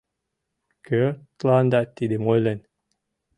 Кӧ тыланда тидым ойлен?